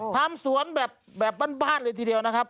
ทำสวนแบบบ้านเลยทีเดียวนะครับ